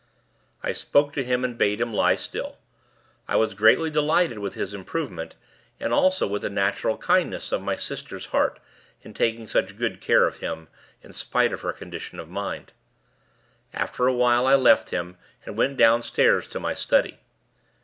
I spoke to him, and bade him lie still. I was greatly delighted with his improvement, and also with the natural kindness of my sister's heart, in taking such good care of him, in spite of her condition of mind. After a while, I left him, and went downstairs, to my study.